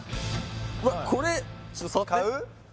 うわっこれちょっと触って買う？